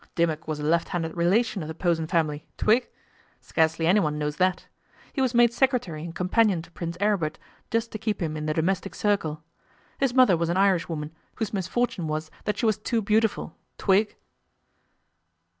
Dimmock was a left handed relation of the Posen family. Twig? Scarcely anyone knows that. He was made secretary and companion to Prince Aribert, just to keep him in the domestic circle. His mother was an Irishwoman, whose misfortune was that she was too beautiful. Twig?